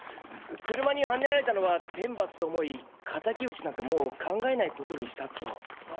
車にはねられたのは天罰と思いかたき討ちなんかもう考えないことにしたと。